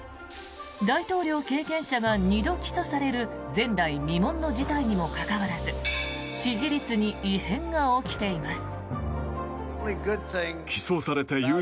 大統領経験者が２度起訴される前代未聞の事態にもかかわらず支持率に異変が起きています。